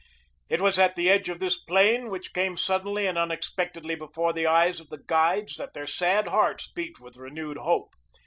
It was at the edge of this plain which came suddenly and unexpectedly before the eyes of the guides that their sad hearts beat with renewed hope.